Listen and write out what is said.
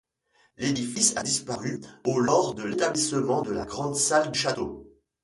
L'édifice a disparu au lors de l'établissement de la grande salle du château.